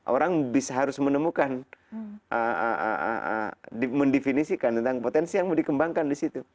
orang harus menemukan mendefinisikan tentang potensi yang mau dikembangkan di situ